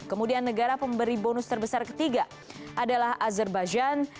kemudian negara pemberi bonus terbesar ketiga adalah azerbajian